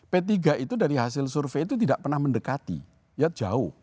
p tiga itu dari hasil survei itu tidak pernah mendekati ya jauh